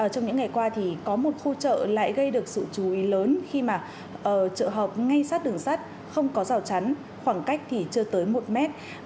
trong những ngày qua thì có một khu chợ lại gây được sự chú ý lớn khi mà chợ họp ngay sát đường sắt không có rào chắn khoảng cách thì chưa tới một mét